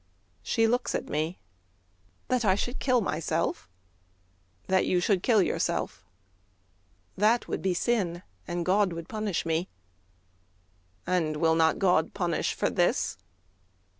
She looks at me. "That I should kill myself?"— "That you should kill yourself."—"That would be sin, And God would punish me!"—"And will not God Punish for this?"